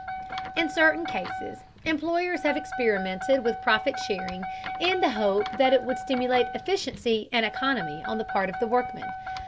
In certain cases employers have experimented with profit sharing in the hope that it would stimulate efficiency and economy on the part of the workmen.